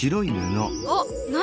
あっ何